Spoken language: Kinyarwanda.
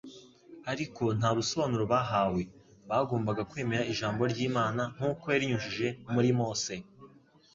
Ariko nta busobanuro bahawe. Bagombaga kwemera ijambo ry’Imana nkuko yarinyujije muri Mose